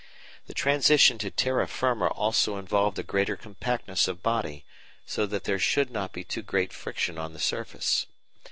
The transition to terra firma also involved a greater compactness of body, so that there should not be too great friction on the surface.